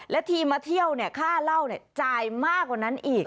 แล้วทีมาเที่ยวเนี่ยค่าเล่าเนี่ยจ่ายมากกว่านั้นอีก